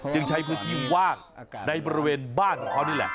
ใช้พื้นที่ว่างในบริเวณบ้านของเขานี่แหละ